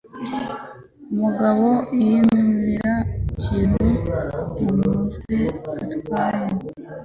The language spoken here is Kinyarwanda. Umugabo yinubira ikintu mumajwi atyaye